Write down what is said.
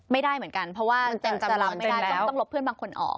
ไม่ได้เหมือนกันเพราะว่าไม่ได้ต้องลบเพื่อนบางคนออก